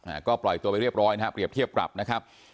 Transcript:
อ่าก็ปล่อยตัวไปเรียบร้อยนะฮะเปรียบเทียบปรับนะครับ